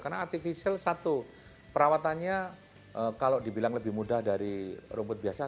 karena artificial satu perawatannya kalau dibilang lebih mudah dari rumput biasa